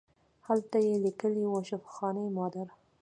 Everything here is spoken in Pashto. هلته یې لیکلي وو شفاخانه مادر.